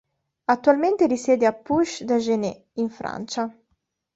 Attualmente risiede a Puch-d'Agenais, in Francia.